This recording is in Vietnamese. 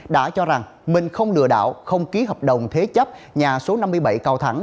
đã cho rằng mình không lừa đảo không ký hợp đồng thế chấp nhà số năm mươi bảy cao thắng